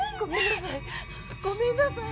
ごめんなさい。